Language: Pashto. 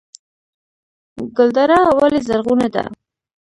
ګلدره ولې زرغونه ده؟